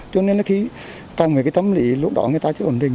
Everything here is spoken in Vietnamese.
cho nên là khi tâm lý lúc đó người ta chưa ổn định